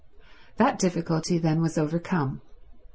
That difficulty, then, was overcome.